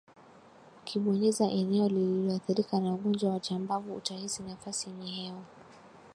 Ukibonyeza eneo lililoathirika na ugonjwa wa chambavu utahisi nafasi yenye hewa